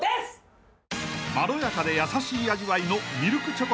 ［まろやかで優しい味わいの］